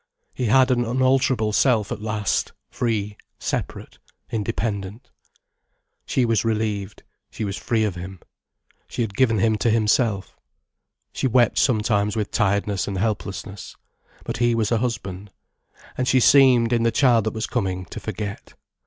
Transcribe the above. He had an unalterable self at last, free, separate, independent. She was relieved, she was free of him. She had given him to himself. She wept sometimes with tiredness and helplessness. But he was a husband. And she seemed, in the child that was coming, to forget.